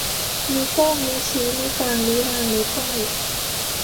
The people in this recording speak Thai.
นิ้วโป้ง นิ้วชี้ นิ้วกลาง นิ้วนาง นิ้วก้อย